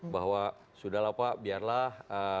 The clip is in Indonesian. bahwa sudah lah pak biarlah